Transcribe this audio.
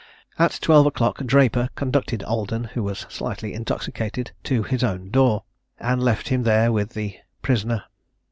At twelve o'clock Draper conducted Alden, who was slightly intoxicated, to his own door, and left him there with the prisoner.